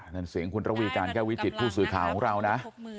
นั่นเสียงคุณระวีการแก้ววิจิตผู้สื่อข่าวของเรานะ